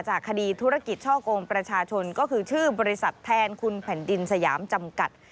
คดีธุรกิจช่อกงประชาชนก็คือชื่อบริษัทแทนคุณแผ่นดินสยามจำกัด